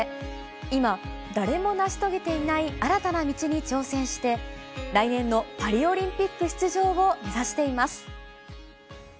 今、誰も成し遂げていない新たな道に挑戦して、来年のパリオリンピック出場を目指しています。